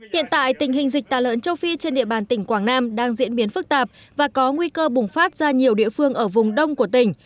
hiện tại tình hình dịch tà lợn châu phi trên địa bàn tỉnh quảng nam đang diễn biến phức tạp và có nguy cơ bùng phát ra nhiều địa phương ở vùng đông của tỉnh